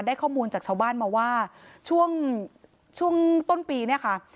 ได้ข้อมูลจากชาวบ้านมาว่าช่วงช่วงต้นปีเนี่ยค่ะ